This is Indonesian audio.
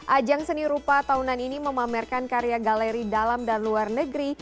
ajang seni rupa tahunan ini memamerkan karya galeri dalam dan luar negeri